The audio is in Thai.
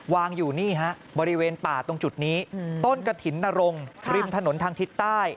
วางอยู่นี่ฮะบริเวณป่าตรงจุดนี้ต้นกระถิ่นนรงริมถนนทางทิศใต้